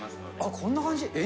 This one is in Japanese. こんな感じ？